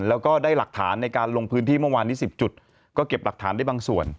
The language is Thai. แล้วก็ได้หลักฐานในการลงพื้นที่เมื่อวานนี้๑๐จุดก็เก็บหลักฐานได้บางส่วน